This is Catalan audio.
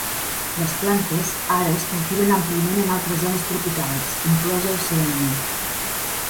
Les plantes ara es cultiven àmpliament en altres zones tropicals, inclosa Oceania.